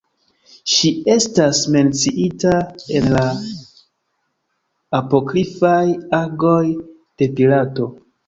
Ŝi estas menciita en la apokrifaj Agoj de Pilato.